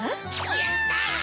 やった！